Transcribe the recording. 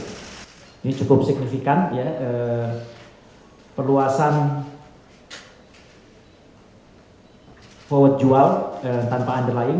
ini cukup signifikan ya perluasan forward jual tanpa underlying